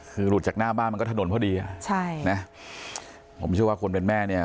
คือหลุดจากหน้าบ้านมันก็ถนนพอดีอ่ะใช่นะผมเชื่อว่าคนเป็นแม่เนี่ย